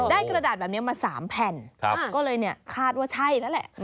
กระดาษแบบนี้มา๓แผ่นก็เลยเนี่ยคาดว่าใช่แล้วแหละ